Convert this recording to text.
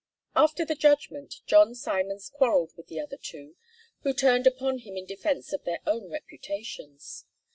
After the judgment John Simons quarrelled with the other two, who turned upon him in defence of their own reputations.